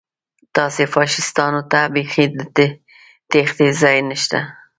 تاسې فاشیستانو ته بیخي د تېښتې ځای نشته